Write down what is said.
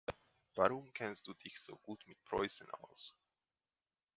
Warum kennst du dich so gut mit Preußen aus?